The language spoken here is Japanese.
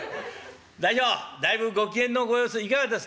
「大将だいぶご機嫌のご様子いかがです？